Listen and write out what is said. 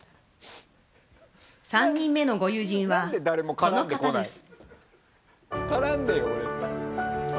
３人目のご友人はこの方です。